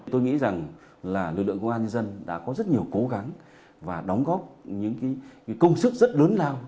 tôi nghĩ rằng là lực lượng công an nhân dân đã có rất nhiều cố gắng và đóng góp những công sức rất lớn lao